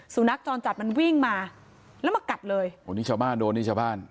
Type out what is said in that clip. สุนัขจรจัดมันวิ่งมาแล้วมากัดเลยโอ้นี่ชาวบ้านโดนนี่ชาวบ้าน